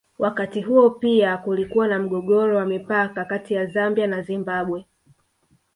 Wakati huo pia kulikuwa na mgogoro wa mpaka kati ya Zambia na Zimbabwe